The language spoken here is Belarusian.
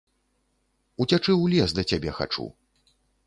Уцячы ў лес да цябе хачу.